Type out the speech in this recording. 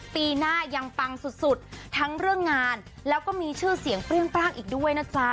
ปีหน้ายังปังสุดทั้งเรื่องงานแล้วก็มีชื่อเสียงเปรี้ยงปร่างอีกด้วยนะจ๊ะ